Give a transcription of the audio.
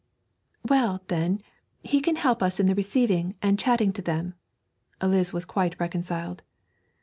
'Well, then, he can help us in the receiving and chatting to them.' Eliz was quite reconciled.